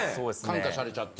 感化されちゃって。